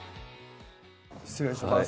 失礼します